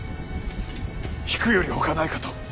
引くよりほかないかと。